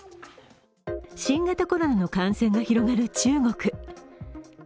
新型コロナの感染が広がる中国。